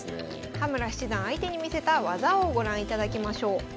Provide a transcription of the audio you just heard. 田村七段相手に見せた技をご覧いただきましょう。